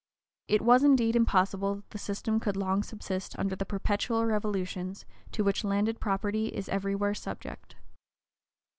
It was, indeed, impossible that that system could long subsist under the perpetual revolutions to winch landed property is every where subject.